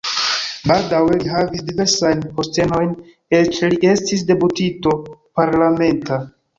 Baldaŭe li havis diversajn postenojn, eĉ li estis deputito parlamenta.